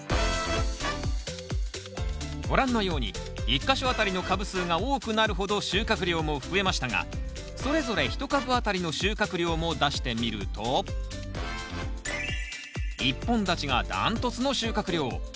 ご覧のように１か所あたりの株数が多くなるほど収穫量も増えましたがそれぞれ１株あたりの収穫量も出してみると１本立ちが断トツの収穫量。